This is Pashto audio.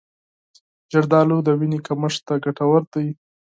زردآلو د وینې کمښت ته ګټور دي.